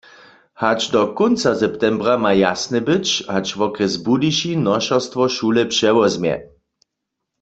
Hač do kónca septembra ma jasne być, hač wokrjes Budyšin nošerstwo šule přewozmje.